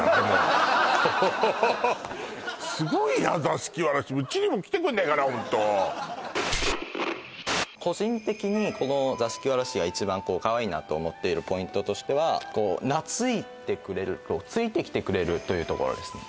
すごいな座敷童ホント個人的にこの座敷童が一番かわいいなと思っているポイントとしては懐いてくれるついてきてくれるというところです